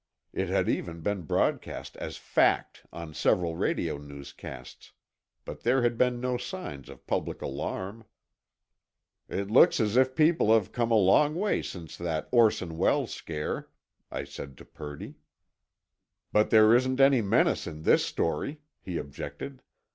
It had even been broadcast as fact on several radio newscasts. But there had been no signs of public alarm. "It looks as if people have come a long way since that Orson Welles scare," I said to Purdy. "But there isn't any menace in this story," he objected.